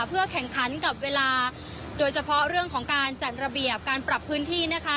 เพื่อแข่งขันกับเวลาโดยเฉพาะเรื่องของการจัดระเบียบการปรับพื้นที่นะคะ